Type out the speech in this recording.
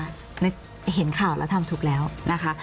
แต่ก็เห็นข่าวโรงงานแล้วทำถูกแล้วนะคะ